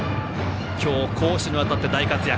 今日、攻守にわたって大活躍。